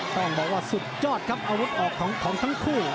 ต้องบอกว่าสุดยอดครับอาวุธออกของทั้งคู่